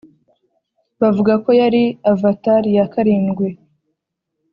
bavuga ko yari avatar ya karindwi